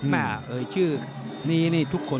เอ่ยชื่อนี้นี่ทุกคน